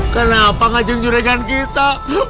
kenapa ngajung jurengan kita